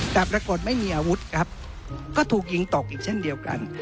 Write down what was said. แต่ปรากฏไม่มีอาวุธครับก็ถูกยิงตกอีกเช่นเดียวกัน